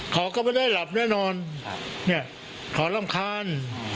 เขาก็ไม่ได้หลับแน่นอนขอรำคาญ